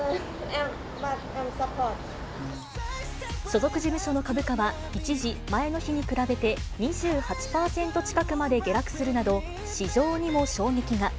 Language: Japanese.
所属事務所の株価は一時、前の日に比べて２８％近くまで下落するなど、市場にも衝撃が。